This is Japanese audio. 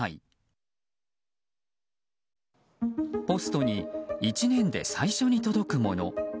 ポストに１年で最初に届くもの。